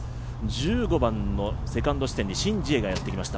１５番のセカンド地点にシン・ジエがやってきました。